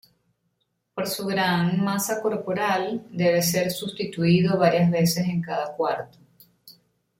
Por su gran masa corporal, debe ser sustituido varias veces en cada cuarto.